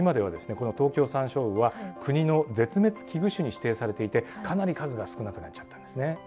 このトウキョウサンショウウオは国の絶滅危惧種に指定されていてかなり数が少なくなっちゃったんですね。